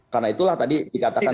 karena itulah tadi dikatakan